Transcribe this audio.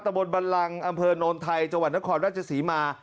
ตะบนบันลังอำเภอโนนไทยจวันทครรภ์ราชศรีมา